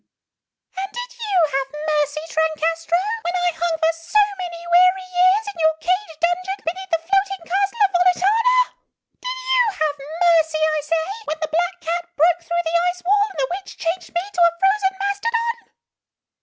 repeated the manikin, in a cruel tone; "and did you have mercy, Trancastro, when I hung for so many weary years in your cage dungeon beneath the floating Castle of Volitana? Did you have mercy, I say, when the black cat broke through the ice wall, and the witch changed me to a frozen mastodon